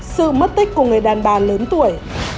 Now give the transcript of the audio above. sự mất tích của người đàn bà lớn tuổi